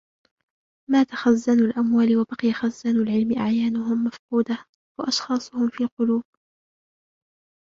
مَاتَ خَزَّانُ الْأَمْوَالِ وَبَقِيَ خَزَّانُ الْعِلْمِ أَعْيَانُهُمْ مَفْقُودَةٌ ، وَأَشْخَاصُهُمْ فِي الْقُلُوبِ